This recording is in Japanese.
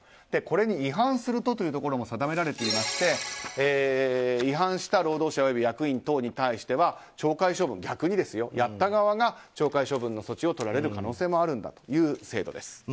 これに違反するとというところも定められていまして違反した労働者及び役員等に対しては逆にやった側が懲戒処分を取られる可能性もあるんだといった制度です。